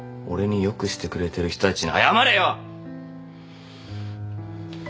俺に良くしてくれてる人たちに謝れよ。